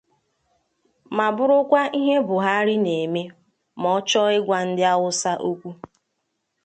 ma bụrụkwa ihe Buhari na-eme ma ọ chọọ ịgwa ndị Hausa okwu